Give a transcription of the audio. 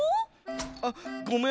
あっごめん。